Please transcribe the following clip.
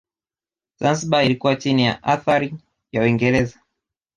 Zanzibar ilikuwa chini ya athari ya Uingereza